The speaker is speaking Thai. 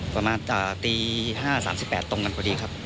ประมาณตี๕๓๘ตรงกันพอดีครับ